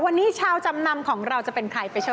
วันนี้ชาวจำนำของเราจะเป็นใครไปชม